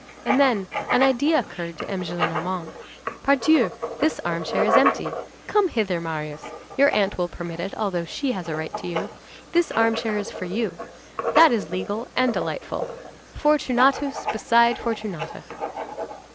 And then, an idea occurred to M. Gillenormand.—"Pardieu, this armchair is empty. Come hither, Marius. Your aunt will permit it, although she has a right to you. This armchair is for you. That is legal and delightful. Fortunatus beside Fortunata."